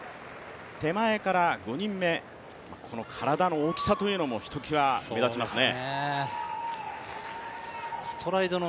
手前から５人目、体の大きさというのもひときわ目立ちますね。